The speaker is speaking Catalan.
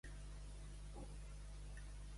Febrers i abrils quasi tots són vils.